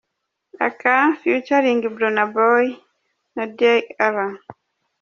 Aka ft Burna Boy, Da L.